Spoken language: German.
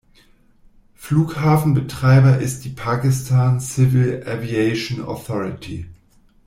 Flughafenbetreiber ist die Pakistan Civil Aviation Authority.